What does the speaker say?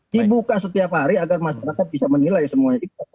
dibuka setiap hari agar masyarakat bisa menilai semuanya